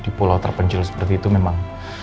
di pulau terpencil seperti itu memang